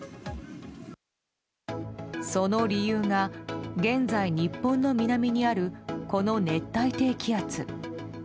その理由が現在、日本の南にあるこの熱帯低気圧。